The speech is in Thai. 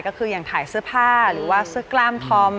ก็คืออย่างถ่ายเสื้อผ้าหรือว่าเสื้อกล้ามธอม